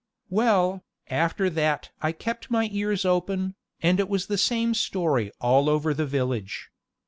Well, after that I kept my ears open, and it was the same story all over the village.